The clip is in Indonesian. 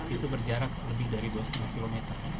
itu berjarak lebih dari dua lima km